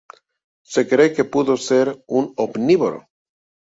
Se cree que pudo ser un omnívoro.